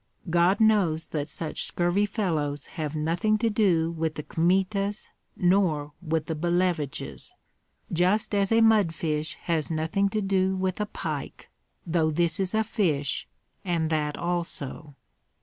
God knows that such scurvy fellows have nothing to do with the Kmitas nor with the Billeviches, just as a mudfish has nothing to do with a pike, though this is a fish and that also."